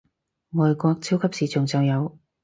外國超級市場就有